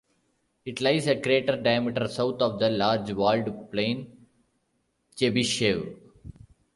It lies a crater diameter south of the large walled plain Chebyshev.